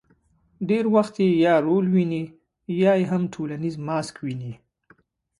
ډېر وخت یې یا رول ویني، یا یې هم ټولنیز ماسک ویني.